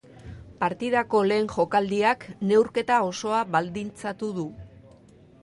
Partidako lehen jokaldiak neurketa osoa baldintzatu du.